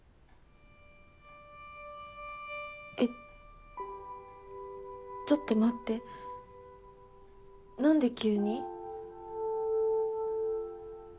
えっちょっと待ってなんで急に？